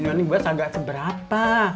uang pensiun gue agak seberapa